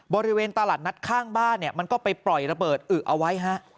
บริเวณตลาดนัดข้างบ้านเนี่ยมันก็ไปปล่อยระเบิดอึเอาไว้ฮะ